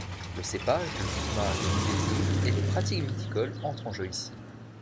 Le cépage, le climat, les millésimes et les pratiques viticoles entrent en jeu ici.